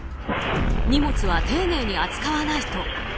荷物は丁寧に扱わないと。